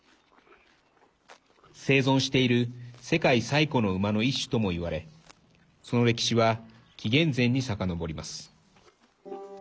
生存している世界最古の馬の一種ともいわれその歴史は紀元前にさかのぼります。